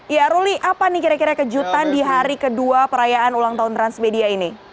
ya ruli apa nih kira kira kejutan di hari kedua perayaan ulang tahun transmedia ini